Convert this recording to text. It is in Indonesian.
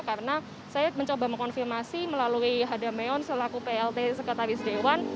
karena saya mencoba mengkonfirmasi melalui adameon selaku pld sekretaris dewan